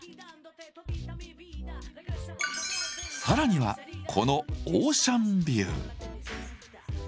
さらにはこのオーシャンビュー。